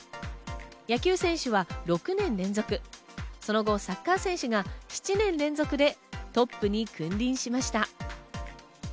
野球選手は６年連続、その後、サッカー選手が７年連続でトップに君臨しました。